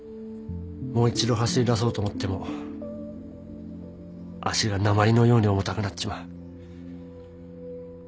もう一度走りだそうと思っても脚が鉛のように重たくなっちまう。